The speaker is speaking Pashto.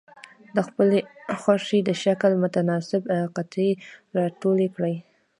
د خپلې خوښې د شکل متناسب قطي را ټولې کړئ.